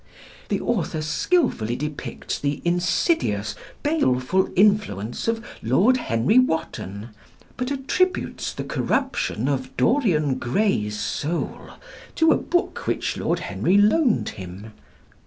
The author skilfully depicts the insidious, baleful influence of Lord Henry Wotton, but attributes the corruption of Dorian Gray's soul to a book which Lord Henry loaned him.